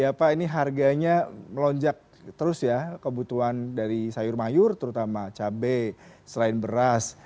ya pak ini harganya melonjak terus ya kebutuhan dari sayur mayur terutama cabai selain beras